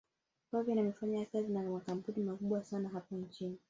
flaviana amefanyakazi na makampuni makubwa sana hapa nchini